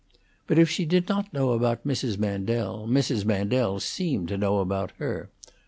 But if she did not know about Mrs. Mandel, Mrs. Mandel seemed to know about her.